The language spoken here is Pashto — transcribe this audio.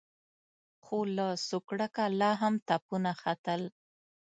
خو له سوکړکه لا هم تپونه ختل.